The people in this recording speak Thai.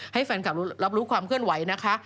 ให้แฟนคลับรับรู้ความเคลื่อนไหวนะคะ